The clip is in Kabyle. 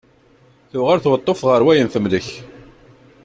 Tuɣal tweṭṭuft ɣer wayen temlek.